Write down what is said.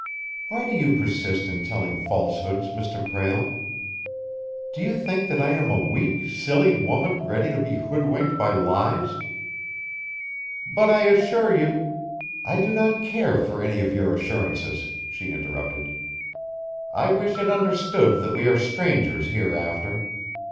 Why do you persist in telling falsehoods, Mr. Prale. Do you think that I am a weak, silly woman ready to be hoodwinked by lies?" "But I assure you " "I do not care for any of your assurances," she interrupted. "I wish it understood that we are strangers hereafter.